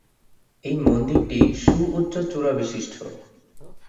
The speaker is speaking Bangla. এই মন্দিরটি সুউচ্চ চূড়া বিশিষ্ট।